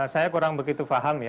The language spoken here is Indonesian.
saya kurang begitu faham